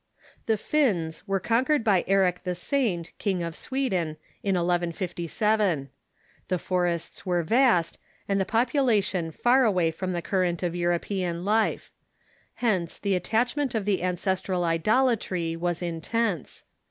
The Finns were conquered by Eric the Saint, King of Sweden, in 1157. The forests were vast, and the population far awav from the current of European life. Hence The Finns ,',,,• i I ,•. the attachment to the ancestral idolatry was intense.